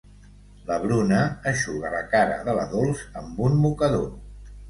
La Bruna eixuga la cara de la Dols amb un mocador.